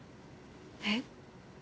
えっ？